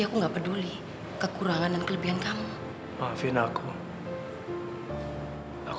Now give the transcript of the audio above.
enggak enggak enggak enggak